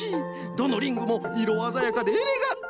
どのリングもいろあざやかでエレガント。